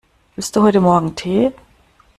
Willst du heute Morgen Tee?